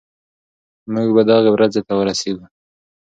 موږ به دغې ورځې ته ورسېږو.